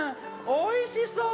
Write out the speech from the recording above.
おいしそう！